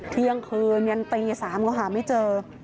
เที่ยงคืนยันตี๓ก็หาไม่เจอ